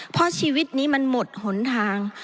เพราะชีวิตนี้มันหมดหนทาง